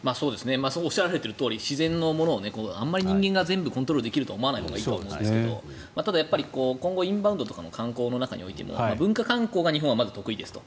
おっしゃられてるとおり自然のものをあまり人間が全部コントロールできるとは思わないほうがいいと思いますがただ、今後インバウンドとかの観光の中においても文化観光が日本は得意ですと。